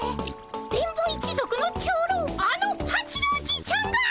電ボ一族の長老あの八郎じいちゃんが？